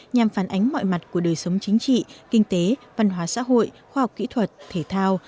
nhằm phản ánh mọi mặt của đời sống chính trị kinh tế văn hóa xã hội khoa học kỹ thuật thể thao